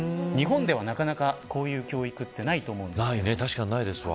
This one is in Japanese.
日本では、なかなかこういう教育はないと思うんです。